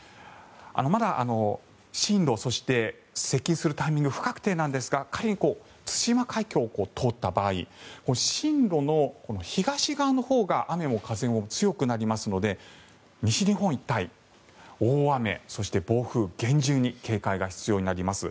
まだ、進路そして接近するタイミング不確定なんですが仮に対馬海峡を通った場合進路の東側のほうが雨も風も強くなりますので西日本一帯大雨、そして暴風厳重に警戒が必要になります。